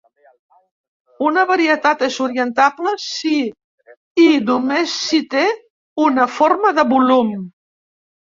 Una varietat és orientable si i només si té una forma de volum.